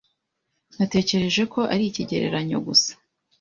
Natekereje ko ari ikigereranyo gusa.